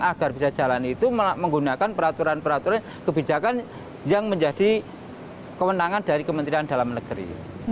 agar bisa jalan itu menggunakan peraturan peraturan kebijakan yang menjadi kewenangan dari kementerian dalam negeri